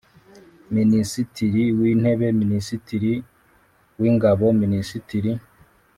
Minisitiri w Intebe Minisitiri w Ingabo Minisitiri